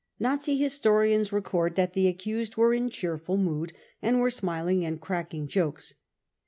Nazi historians record that the accused were in cheerful mood, and were smiling and cracking jokes.